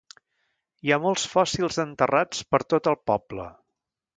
Hi ha molts fòssils enterrats per tot el poble.